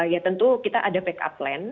ya tentu kita ada backup plan